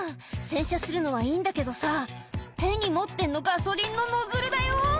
洗車するのはいいんだけどさ手に持ってんのガソリンのノズルだよ